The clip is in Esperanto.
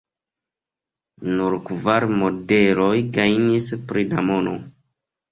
Nur kvar modeloj gajnis pli da mono.